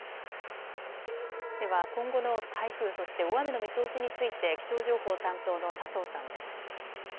では今後の台風、そして大雨の見通しについて気象情報担当の佐藤さんです。